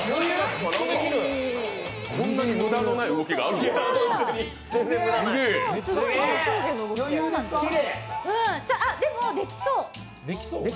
こんなに無駄のない動きがあるんだでも、できそう。